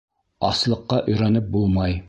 Аслыҡҡа өйрәнеп булмай.